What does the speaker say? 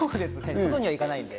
外には行かないので。